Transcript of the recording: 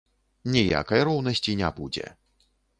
Ніякай роўнасці не будзе.